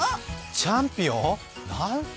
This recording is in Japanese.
チャンピオン？は？